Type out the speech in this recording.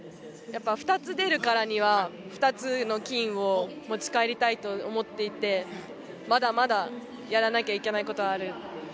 ２つ出るからには２つの金を持ち帰りたいと思っていてまだまだやらなきゃいけないことはある。